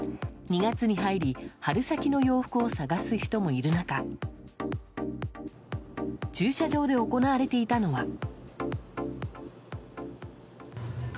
２月に入り春先の洋服を探す人もいる中駐車場で行われていたのは。